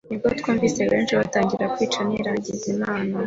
nibwo twumvise benshi batangiye kwicwa niragiza Imana